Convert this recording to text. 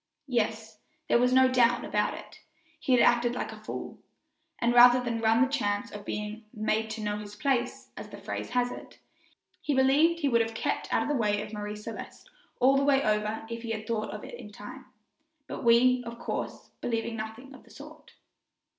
Yes, there was no doubt about it, he had acted like a fool; and rather than run the chance of being "made to know his place," as the phrase has it, he believed he would have kept out of the way of Marie Celeste all the way over if he had thought of it in time; but we, of course, believe nothing of the sort.